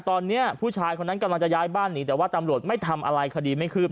ตอนนี้ผู้ชายคนนั้นกำลังจะย้ายบ้านหนีแต่ว่าตำรวจไม่ทำอะไรคดีไม่คืบ